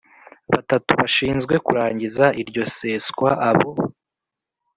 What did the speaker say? batatu bashinzwe kurangiza iryo seswa Abo